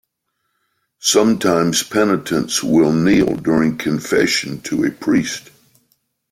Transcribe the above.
Sometimes penitents will kneel during confession to a priest.